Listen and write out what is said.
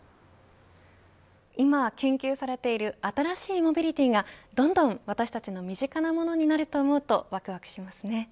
今研究されている新しいモビリティが、どんどん私たちの身近なものになると思うとワクワクしますね。